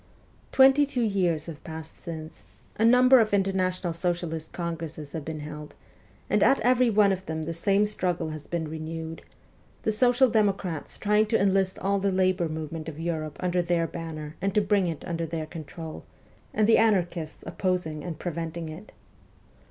Twenty two years have passed since ; a number of International Socialist congresses have been held, and at every one of them the same struggle has been renewed the social democrats trying to enlist all the labour movement of Europe under their banner and to bring it under their control, and the anarchists opposing and preventing it.